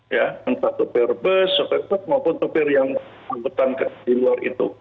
ya entah sopir bus sopir sopir maupun sopir yang ngambutan ke di luar itu